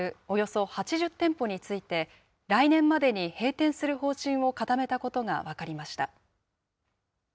およそ８０店舗について、来年までに閉店する方針を固めたことが分かりました。